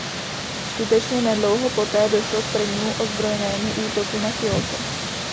Skutečně nedlouho poté došlo k prvnímu ozbrojenému útoku na Kjóto.